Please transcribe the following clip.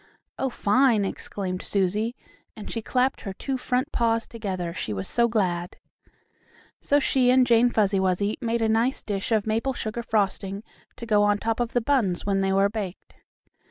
"Oh, fine!" exclaimed Susie, and she clapped her two front paws together, she was so glad. So she and Jane Fuzzy Wuzzy made a nice dish of maple sugar frosting to go on top of the buns when they were baked.